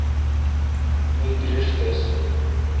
می درݭ تس۔